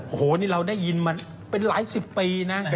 โอ้โหนี่เราได้ยินมาเป็นหลายสิบปีนะ